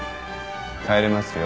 帰れますよ。